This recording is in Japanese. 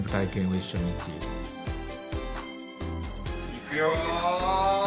いくよ！